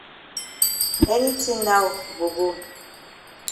Any tin now go go.